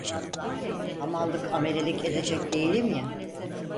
Hamallık, amelelik edecek değilim ya…